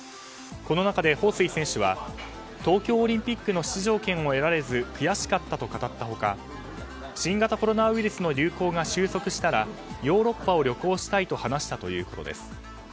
この中でホウ・スイ選手は東京オリンピックの出場権を得られず悔しかったと語った他新型コロナウイルスの流行が収束したらヨーロッパを旅行したいと話したということです。